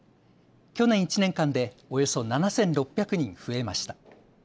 去年１年間でおよそ７６００人増えました。